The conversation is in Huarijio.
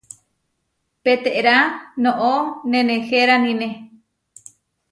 Peterá noʼó neneheránine.